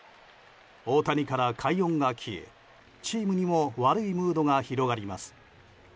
大谷から快音が消えチームにも悪いムードが広がります。